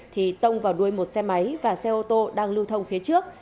thì tông vào đuôi một xe máy và xe ô tô đang lưu thông phía trước